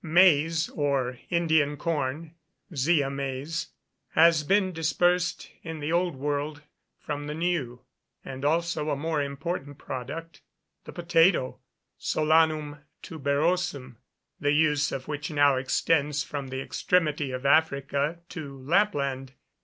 Maize, or Indian corn (Zea mays), has been dispersed in the Old World from the New; and also a more important product, the potato (Solanum tuberosum), the use of which now extends from the extremity of Africa to Lapland.